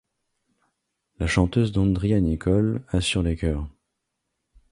La chanteuse Dondria Nicole assure les chœurs.